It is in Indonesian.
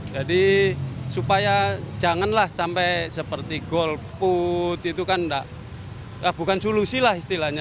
jadi supaya janganlah sampai seperti golput itu kan bukan solusi lah